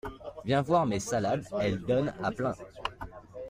Viens voir mes salades, elles donnent à plein.